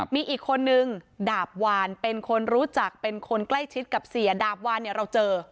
มีอีกคนนึงดาบวานเป็นคนรู้จักเป็นคนใกล้ชิดกับเสียดาบวานเนี่ยเราเจอ